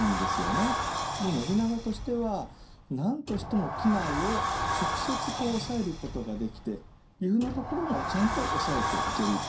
信長としては何としても畿内を直接おさえることができて岐阜のところもちゃんとおさえていけるっていうですね